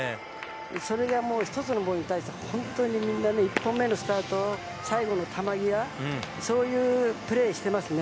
それがもう、１つのボールに対して、本当にみんなね、１歩目のスタート、最後の球際、そういうプレーしてますね。